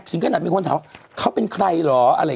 ขนาดมีคนถามว่าเขาเป็นใครเหรออะไร